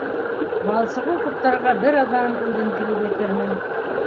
Балсығын ҡуптарырға бер аҙнанан үҙем килеп етермен.